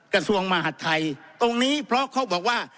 กระทรวงมหาดไทยตรงนี้เพราะเขาบอกว่า